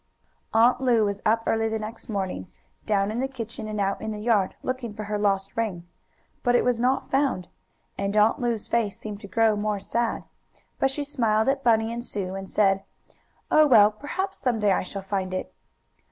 Aunt Lu was up early the next morning, down in the kitchen, and out in the yard, looking for her lost ring. But it was not found, and Aunt Lu's face seemed to grow more sad. But she smiled at Bunny and Sue, and said: "Oh, well, perhaps some day I shall find it."